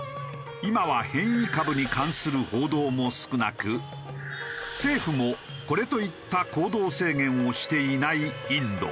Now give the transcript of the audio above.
今は変異株に関する報道も少なく政府もこれといった行動制限をしていないインド。